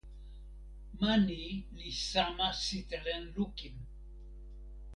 ma ni li sama sitelen lukin!